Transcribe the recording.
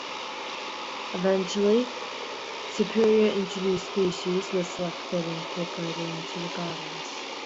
Eventually superior introduced species were selected and incorporated into the gardens.